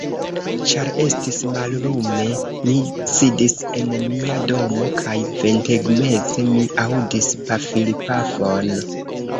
Ĉar estis mallume, mi sidis en mia domo, kaj ventegmeze mi aŭdis pafilpafon.